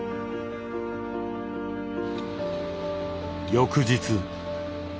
翌日。